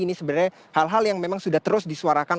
ini sebenarnya hal hal yang memang sudah terus disuarakan